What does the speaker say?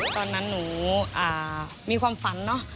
ตอนนั้นหนูมีความฝันเนอะ